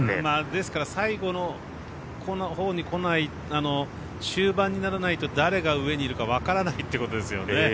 ですから最後の終盤にならないと誰が上にいるかわからないってことですよね。